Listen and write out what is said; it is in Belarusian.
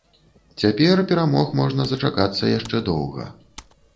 Цяпер перамог можна зачакацца яшчэ доўга.